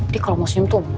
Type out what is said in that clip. dia kalo mau senyum tuh